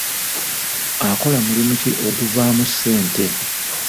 Akola mulimu ki oguvaamu ssente?